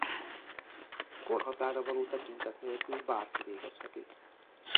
Korhatárra való tekintet nélkül bárki végezheti.